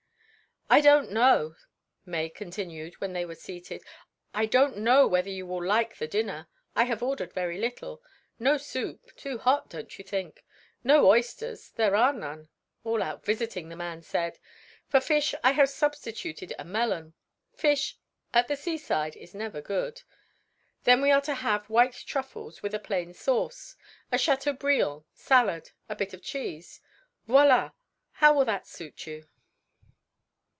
"I don't know," May continued, when they were seated "I don't know whether you will like the dinner I have ordered very little. No soup, too hot, don't you think? No oysters, there are none; all out visiting, the man said; for fish I have substituted a melon; fish, at the seaside, is never good; then we are to have white truffles, with a plain sauce, a chateaubriand, salad, a bit of cheese voilà! How will that suit you?"